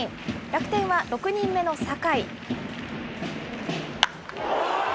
楽天は６人目の酒居。